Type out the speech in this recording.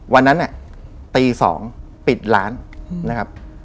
วันนั้นตี๒ปิดร้านนะครับ